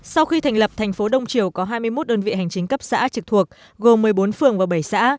sau khi thành lập thành phố đông triều có hai mươi một đơn vị hành chính cấp xã trực thuộc gồm một mươi bốn phường và bảy xã